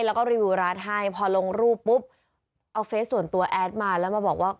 แล้วก็รีวิวร้านให้พอลงรูปปุ๊บเอาเฟสส่วนตัวแอดมาแล้วมาบอกว่า